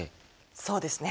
そうですね。